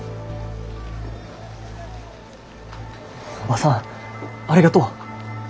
叔母さんありがとう。